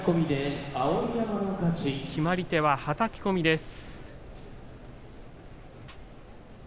決まり手、はたき込みです。